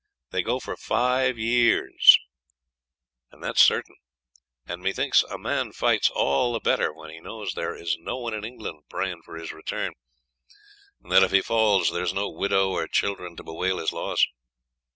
They go for five years certain, and methinks a man fights all the better when he knows there is no one in England praying for his return, and that if he falls, there is no widow or children to bewail his loss.